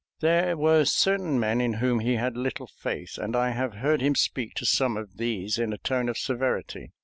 There were certain men in whom he had little faith, and I have heard him speak to some of these in a tone of severity.